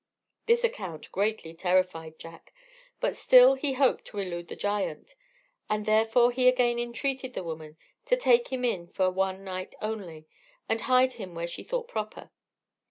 This account greatly terrified Jack, but still he hoped to elude the giant, and therefore he again entreated the woman to take him in for one night only, and hide him where she thought proper.